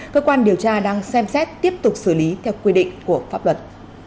cơ quan điều tra đang xem xét tiếp tục xử lý theo quy định của pháp luật